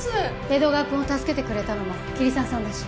江戸川くんを助けてくれたのも桐沢さんだし。